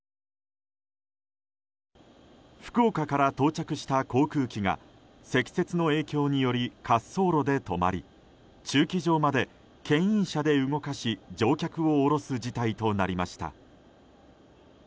福岡から到着した航空機が積雪の影響により滑走路で止まり、駐機場まで牽引車で動かし乗客を降ろす事態となりました。